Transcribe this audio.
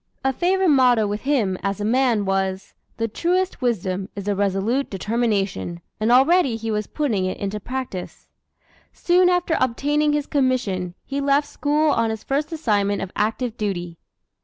A favorite motto with him, as a man, was: "The truest wisdom is a resolute determination," and already he was putting it into practice. Soon after obtaining his commission, he left school on his first assignment of active duty.